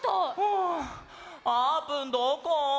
あーぷんどこ？